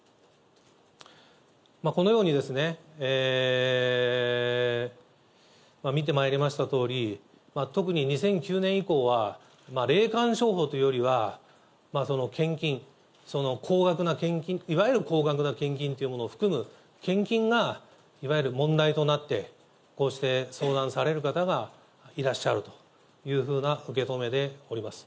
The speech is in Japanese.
このようにですね、見てまいりましたとおり、特に、２００９年以降は、霊感商法というよりは、献金、高額な献金、いわゆる高額な献金というものを含む献金がいわゆる問題となって、こうして相談される方がいらっしゃるというふうな受け止めでおります。